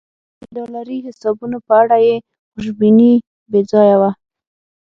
د ډالري حسابونو په اړه یې خوشبیني بې ځایه وه.